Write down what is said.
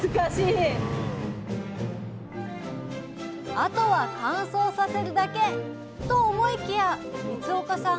あとは乾燥させるだけ！と思いきや光岡さん